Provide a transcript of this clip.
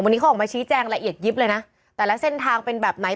วันนี้เขาออกมาชี้แจงละเอียดยิบเลยนะแต่ละเส้นทางเป็นแบบไหน